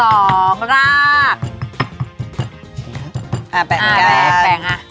อะแปลงกันแปลงค่ะ